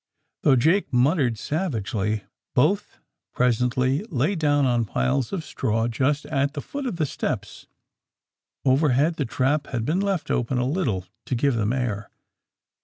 Though Jake muttered savagely, both pres ently lay down on piles of straw just at the foot of the steps. Overhead, the trap had been left open a little, to give them air.